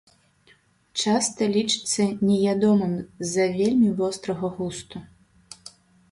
Часта лічыцца неядомым з-за вельмі вострага густу.